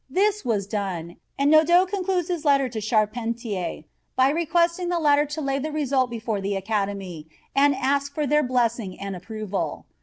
This was done, and Nodot concludes his letter to Charpentier by requesting the latter to lay the result before the Academy and ask for their blessing and approval.